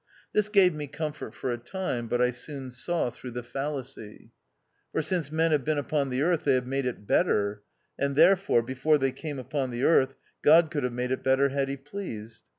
This gave me comfort for a time, but I soon saw through the fallacy. For since men have been upon the earth they have made it better ; and therefore, before they came upon the earth, God could have made it better had he pleased.